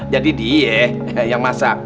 jadi dia yang masak